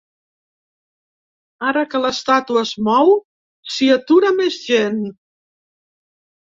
Ara que l'estàtua es mou, s'hi atura més gent.